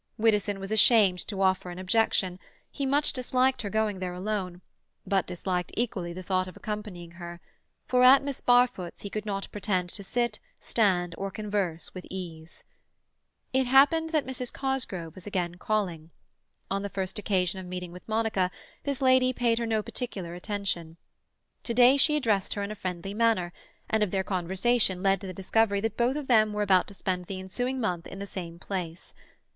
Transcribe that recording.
Widdowson was ashamed to offer an objection; he much disliked her going there alone, but disliked equally the thought of accompanying her, for at Miss Barfoot's he could not pretend to sit, stand, or converse with ease. It happened that Mrs. Cosgrove was again calling. On the first occasion of meeting with Monica this lady paid her no particular attention; to day she addressed her in a friendly manner, and their conversation led to the discovery that both of them were about to spend the ensuing month in the same place.